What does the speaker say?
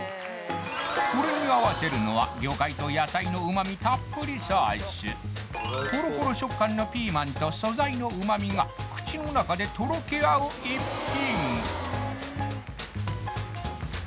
これに合わせるのは魚介と野菜の旨味たっぷりソースホロホロ食感のピーマンと素材の旨味が口の中でとろけ合う逸品